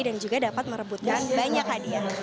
dan juga dapat merebutkan banyak hadiah